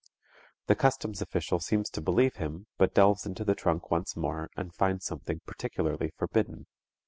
The customs official seems to believe him but delves into the trunk once more and finds something particularly forbidden.